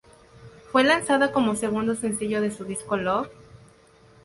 Fue lanzada como segundo sencillo de su disco "Love?".